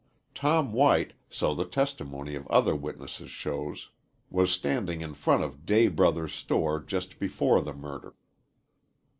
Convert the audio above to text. Tom White, so the testimony of other witnesses shows, was standing in front of Day Brothers' store just before the murder.